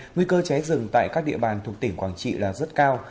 nguy cơ cháy rừng tại các địa bàn thuộc tỉnh quảng trị là rất cao